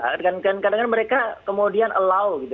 kadang kadang mereka kemudian allow gitu